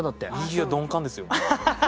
いや鈍感ですよ。